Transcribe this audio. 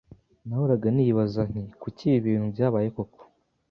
Nahoraga nibaza nti kuki ibi bintu byabaye koko